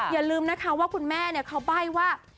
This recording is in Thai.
อย่าลืมนะคะว่าคุณแม่เขาใบ้ว่า